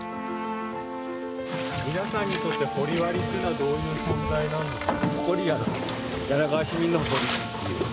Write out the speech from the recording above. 皆さんにとって掘割っていうのはどういう存在なんですか？